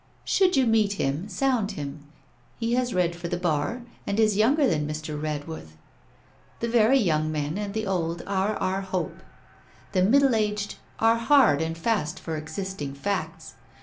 Should you meet him sound him. He has read for the Bar, and is younger than Mr. Redworth. The very young men and the old are our hope. The middleaged are hard and fast for existing facts.